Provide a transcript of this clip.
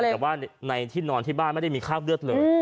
แต่ว่าในที่นอนที่บ้านไม่ได้มีคราบเลือดเลย